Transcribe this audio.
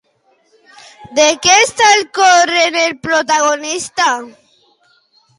De què està al corrent el protagonista?